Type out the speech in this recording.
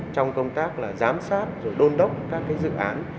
trong công tác giám sát rồi đôn đốc các dự án